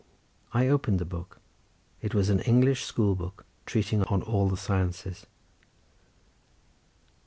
I opened the book; it was an English school book treating on all the sciences.